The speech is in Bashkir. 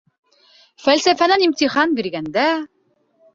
Фәлсәфәнән имтихан биргәндә...